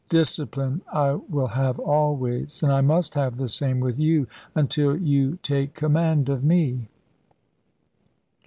Discipline I will have always; and I must have the same with you, until you take command of me."